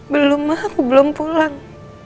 belum mah aku belum pulang